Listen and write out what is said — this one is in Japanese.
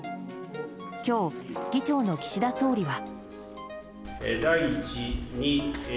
今日、議長の岸田総理は。